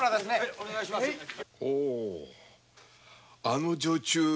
あの女中